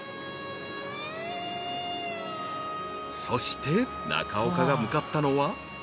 ［そして中岡が向かったのは］